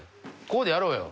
ここでやろうよ。